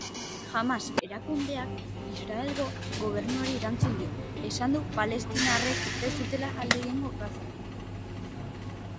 Hamas erakundeak Israelgo Gobernuari erantzun dio: esan du palestinarrek ez dutela alde egingo Gazatik.